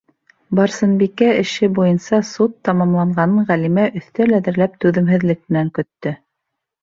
Барсынбикә эше буйынса суд тамамланғанын Ғәлимә өҫтәл әҙерләп түҙемһеҙлек менән көттө.